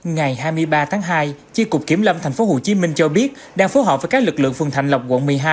ngày hai mươi ba tháng hai chi cục kiểm lâm tp hcm cho biết đang phối hợp với các lực lượng phương thạnh lộc quận một mươi hai